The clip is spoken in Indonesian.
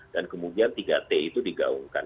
dan kemudian tiga t itu digaungkan